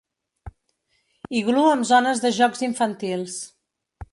Iglú amb zones de jocs infantils.